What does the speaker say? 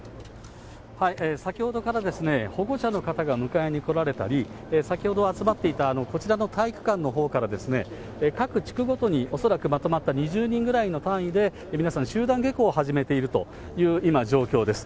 先ほどからですね、保護者の方が迎えに来られたり、先ほど集まっていた、こちらの体育館のほうから、各地区ごとに、恐らくまとまった２０人ぐらいの単位で、皆さん、集団下校を始めているという、今、状況です。